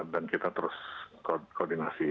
dan kita terus koordinasi